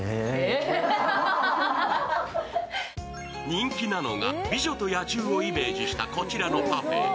人気なのが、「美女と野獣」をイメージしたこちらのパフェ。